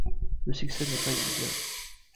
Le succès n'est pas immédiat.